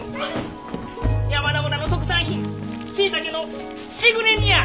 山田村の特産品しいたけのしぐれ煮や！